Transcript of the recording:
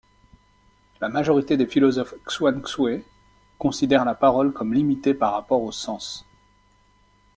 La majorité des philosophes xuanxue considèrent la parole comme limitée par rapport au sens.